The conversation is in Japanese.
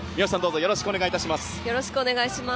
よろしくお願いします。